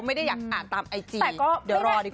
ไม่ได้อยากอ่านตามไอจีแต่ก็เดี๋ยวรอดีกว่า